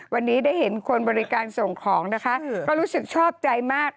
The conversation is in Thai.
วันนี้ได้เห็นคนบริการส่งของนะคะก็รู้สึกชอบใจมาก